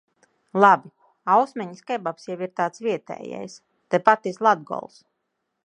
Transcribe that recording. Labi, Ausmeņas kebabs jau ir tāds vietējais, tepat iz Latgols.